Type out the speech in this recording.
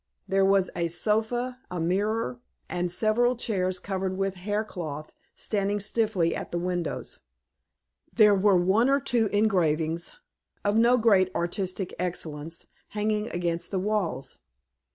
There was a sofa, a mirror, and several chairs covered with hair cloth were standing stiffly at the windows. There were one or two engravings, of no great artistic excellence, hanging against the walls.